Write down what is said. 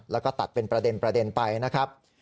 แล้วก็ตัดเป็นประเด็นไปนะครับ